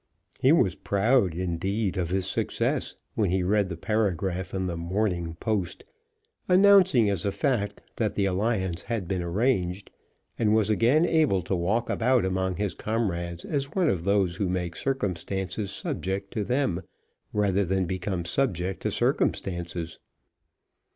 He was proud, indeed, of his success, when he read the paragraph in the "Morning Post," announcing as a fact that the alliance had been arranged, and was again able to walk about among his comrades as one of those who make circumstances subject to them, rather than become subject to circumstances.